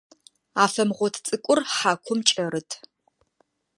Афэмгъот цӏыкӏур хьакум кӏэрыт.